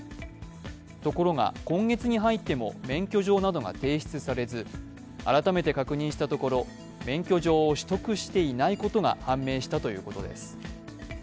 ところが、今月に入っても免許状などが提出されず改めて確認したところ免許状を取得していないことが判明したということです。